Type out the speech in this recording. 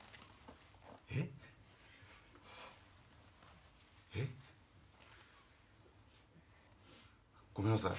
えっ？えっ。ごめんなさい。